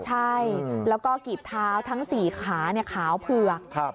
ใช่แล้วก็กีบเท้าทั้ง๔ขาขาวเผือก